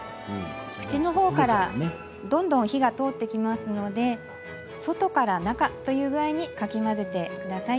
縁のほうからどんどん火が通ってきますので外から中という具合にかき混ぜて下さい。